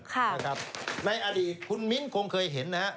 ค่ะนะครับในอดีตคุณมิ้นคงเคยเห็นนะครับ